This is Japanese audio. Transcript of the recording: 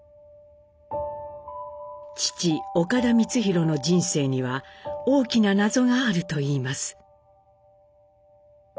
父岡田光宏の人生には大きな謎があるといいます。